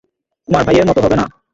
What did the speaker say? তোমার ভাইয়ের মতো হবে না।